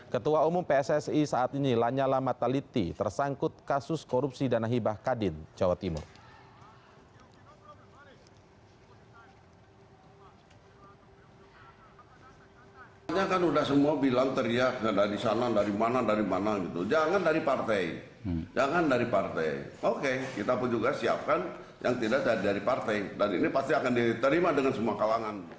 ketua umum pssi saat ini lanyala mataliti tersangkut kasus korupsi dan hibah kadin jawa timur